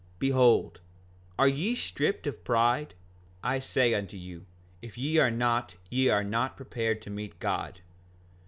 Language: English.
5:28 Behold, are ye stripped of pride? I say unto you, if ye are not ye are not prepared to meet God.